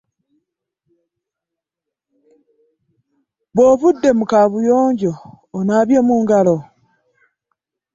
Bw'ovudde mu kaabuuyonjo onaabye mu ngalo?